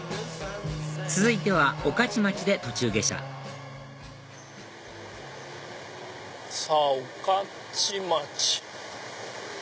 続いては御徒町で途中下車さぁ御徒町。